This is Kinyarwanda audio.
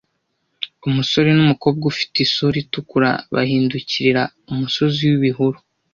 Umusore numukobwa ufite isura itukura bahindukirira umusozi wibihuru,